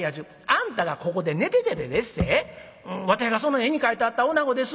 あんたがここで寝ててででっせ『わてがその絵に描いてあったおなごです』